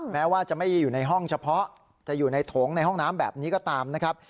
แม้ว่าจะไม่อยู่ในห้องเฉพาะจะอยู่ในโถงในห้องน้ำแบบนี้ก็ตามนะครับ